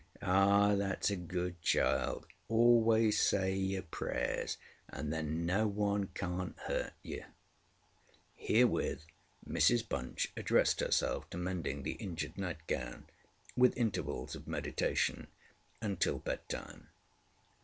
ŌĆØ ŌĆ£Ah, thatŌĆÖs a good child: always say your prayers, and then no one canŌĆÖt hurt you. ŌĆØ Herewith Mrs Bunch addressed herself to mending the injured nightgown, with intervals of meditation, until bed time.